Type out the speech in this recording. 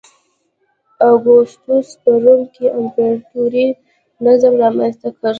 اګوستوس په روم کې امپراتوري نظام رامنځته کړ